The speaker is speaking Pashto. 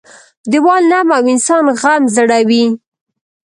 - دیوال نم او انسان غم زړوي.